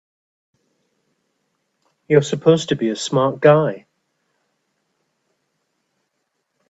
You're supposed to be a smart guy!